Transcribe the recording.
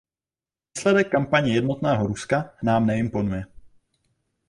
Výsledek kampaně Jednotného Ruska nám neimponuje.